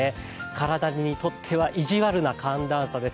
体にとっては意地悪な寒暖差です。